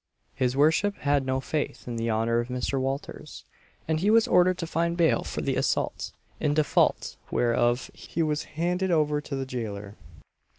His worship had no faith in the honour of Mr. Walters, and he was ordered to find bail for the assault, in default whereof he was handed over to the gaoler.